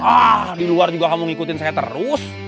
kamu juga gak mau ngikutin saya terus